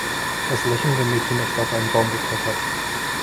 Das lächelnde Mädchen ist auf einen Baum geklettert.